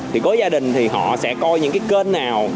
thì có gia đình thì họ sẽ coi những cái kênh nào